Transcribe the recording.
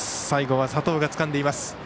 最後は佐藤がつかんでいます。